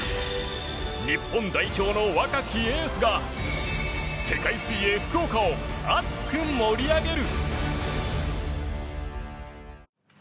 日本代表の若きエースが世界水泳福岡を熱く盛り上げる！